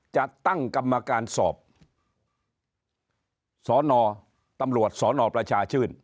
จะตั้งกรรมการสอบสนตำรวจสนประชาชื่น